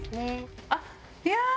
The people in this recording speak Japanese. あっいやー